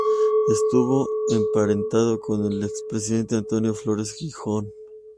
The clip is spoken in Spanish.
Estuvo emparentado con el expresidente Antonio Flores Jijón.